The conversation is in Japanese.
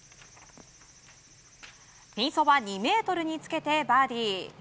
ピンそば２ｍにつけてバーディー。